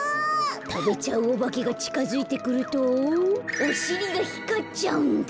たべちゃうおばけがちかづいてくるとおしりがひかっちゃうんだ。